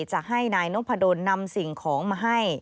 จะให้นายนพดลนำสิ่งของมาให้